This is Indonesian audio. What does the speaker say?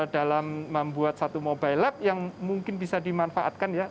dalam membuat satu mobile lab yang mungkin bisa dimanfaatkan ya